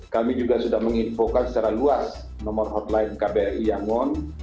kami juga sudah menginfokan secara luas nomor hotline kbri yangon